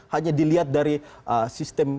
hanya dilihat dari sistem